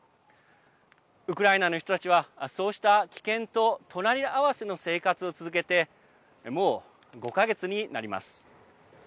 ウクライナの人たちはそうした危険と隣り合わせの生活を続けてもう、５か月になります。